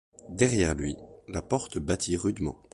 Derrière lui, la porte battit rudement.